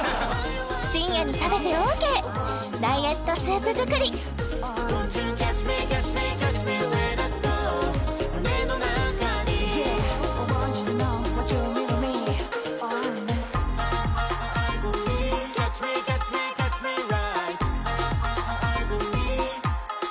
深夜に食べてオーケーダイエットスープ作り祖父江マスダ